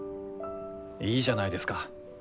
いいじゃないですか。